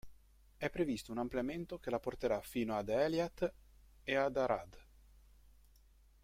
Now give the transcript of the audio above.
È previsto un ampliamento che la porterà fino ad Eilat e ad Arad.